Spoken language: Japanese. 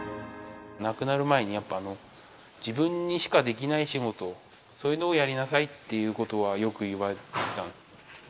亡くなる前にやっぱ、自分にしかできない仕事、そういうのをやりなさいということはよく言われてきたんで。